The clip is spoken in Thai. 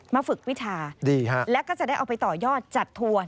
ฝึกวิชาดีฮะแล้วก็จะได้เอาไปต่อยอดจัดทัวร์